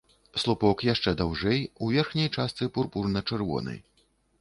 Слупок яшчэ даўжэй, у верхняй частцы пурпурна-чырвоны.